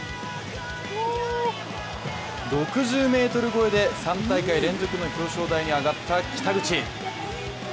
６０ｍ超えで３大会連続の表彰台に上がった北口。